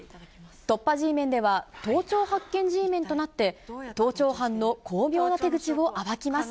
突破Ｇメンでは、盗聴発見Ｇメンとなって、盗聴犯の巧妙な手口を暴きます。